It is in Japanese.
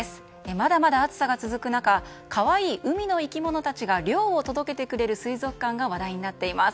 まだまだ暑さが続く中可愛い海の生き物たちが涼を届けてくれる水族館が話題になっています。